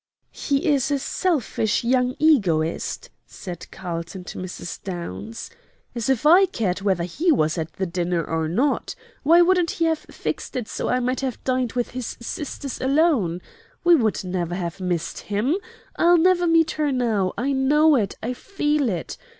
"He is a selfish young egoist," said Carlton to Mrs. Downs. "As if I cared whether he was at the dinner or not! Why couldn't he have fixed it so I might have dined with his sisters alone? We would never have missed him. I'll never meet her now. I know it; I feel it.